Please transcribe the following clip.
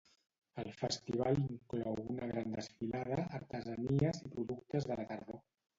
El festival inclou una gran desfilada, artesanies i productes de la tardor.